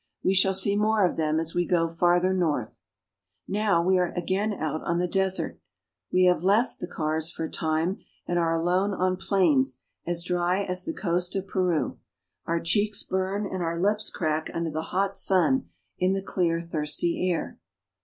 We shall see more of them as we go farther north. Now we are again out on the desert. We have left the cars for a time and are alone on plains as dry as the coast PATAGONIA. 173 of Peru. Our cheeks burn and our lips crack under the hot sun in the clear, thirsty air.